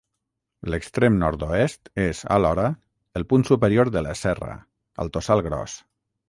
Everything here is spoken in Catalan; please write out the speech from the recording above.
L'extrem nord-oest és, alhora, el punt superior de la serra, al Tossal Gros.